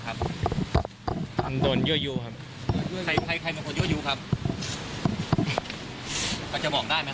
เขาพูดประมาณว่าอย่างไรเปล่า